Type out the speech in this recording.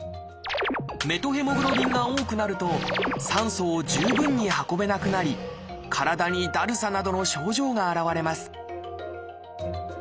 メトヘモグロビンが多くなると酸素を十分に運べなくなり体にだるさなどの症状が現れます